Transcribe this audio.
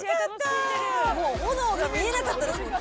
もう炎が見えなかったですもん、